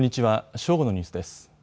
正午のニュースです。